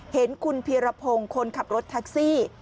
เห็นคุณพีรพงศ์คนขับรถแท็กซี่